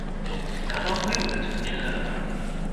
拿刀揮舞的成年人